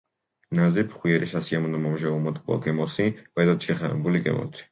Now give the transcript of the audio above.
ნაზი, ფხვიერი, სასიამოვნო მომჟავო მოტკბო გემოსი, მეტად შეხამებული გემოთი.